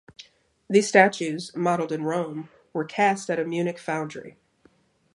These statues, modeled in Rome, were cast at a Munich foundry.